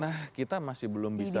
nah kita masih belum bisa